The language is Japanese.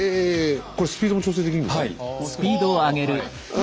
これスピードも調整できるんですか？